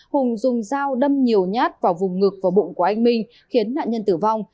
hùng dùng dao đâm nhiều nhát vào vùng ngực và bụng của anh minh khiến nạn nhân tử vong